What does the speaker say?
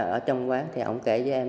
ở trong quán thì ổng kể với em